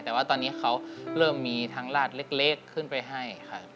แต่ว่าตอนนี้เขาเริ่มมีทั้งลาดเล็กขึ้นไปให้ครับ